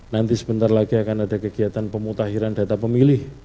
nanti sebentar lagi akan ada kegiatan pemutahiran data pemilih